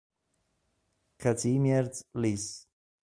Kazimierz Lis